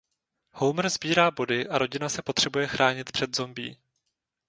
Homer sbírá body a rodina se potřebuje chránit před zombie.